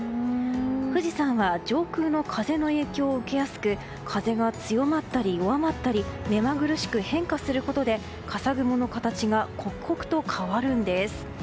富士山は上空の風の影響を受けやすく風が強まったり弱まったり目まぐるしく変化することで笠雲の形が刻々と変わるんです。